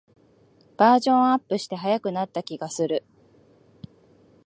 バージョンアップして速くなった気がする